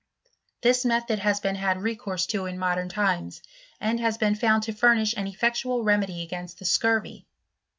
This method has been had recourse to in modem times, and has been found to furnish an effectual remedy against the scurvy.